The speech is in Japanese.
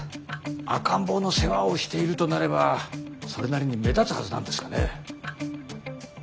赤ん坊の世話をしているとなればそれなりに目立つはずなんですがね。